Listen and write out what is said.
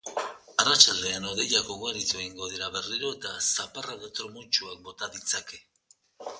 Arratsaldean hodeiak ugaritu egingo dira berriro eta zaparrada trumoitsuak bota ditzake.